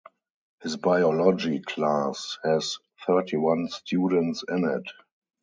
His biology class has thirty-one students in it.